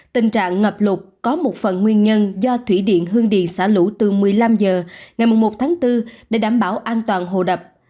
tình trạng ngập lụt có một phần nguyên nhân do thủy điện hương điền xả lũ từ một mươi năm h ngày một tháng bốn để đảm bảo an toàn hồ đập